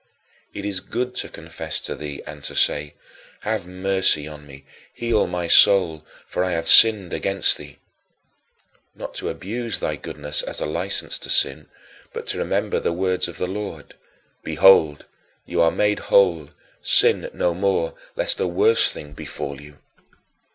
It is good to confess to thee and to say, "Have mercy on me; heal my soul; for I have sinned against thee" not to abuse thy goodness as a license to sin, but to remember the words of the Lord, "Behold, you are made whole: sin no more, lest a worse thing befall you."